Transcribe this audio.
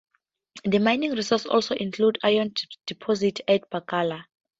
The mining resource also includes iron deposits at Bakala.